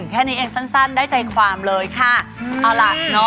แค่นี้เองสั้นสั้นได้ใจความเลยค่ะเอาล่ะเนอะ